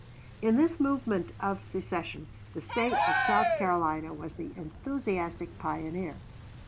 In this movement of secession the State of South Carolina was the enthusiastic pioneer.